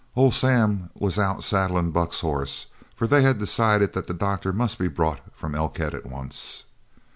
Old Sam was out saddling Buck's horse, for they had decided that the doctor must be brought from Elkhead at once.